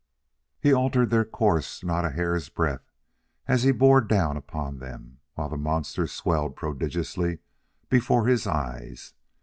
He altered their course not a hair's breadth as he bore down upon them, while the monsters swelled prodigiously before his eyes.